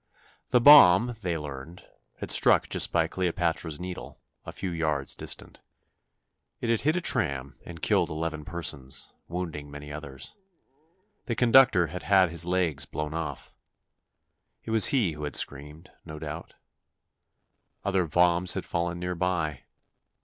The bomb, they learned, had struck just by Cleopatra's Needle, a few yards distant. It had hit a tram and killed eleven persons, wounding many others. The conductor had had his legs blown off. It was he who had screamed, no doubt. Other bombs had fallen nearby.